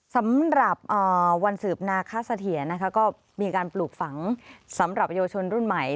สำหรับวันสืบนาคาเสถียรนะคะก็มีการปลูกฝังสำหรับเยาวชนรุ่นใหม่